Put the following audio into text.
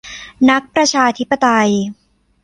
นักประชาธิปไตย